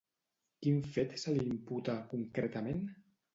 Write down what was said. Quin fet se li imputa, concretament?